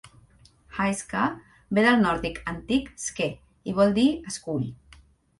Hyskeir ve del nòrdic antic "sker" i vol dir escull.